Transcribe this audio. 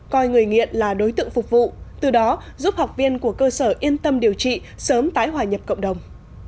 coi người nghiện là đối tượng phục vụ từ đó giúp học viên của cơ sở yên tâm điều trị sớm tái hòa nhập cộng đồng